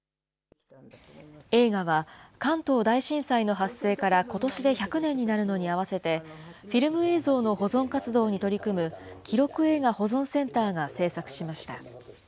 映画は、関東大震災の発生からことしで１００年になるのに合わせて、フィルム映像の保存活動に取り組む、記録映画保存センターが制作しました。